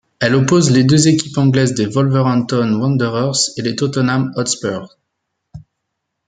Elle oppose les deux équipes anglaises des Wolverhampton Wanderers et de Tottenham Hotspur.